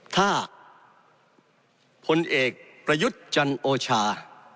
ถ้าพลเอกประยุทธ์จันโอชา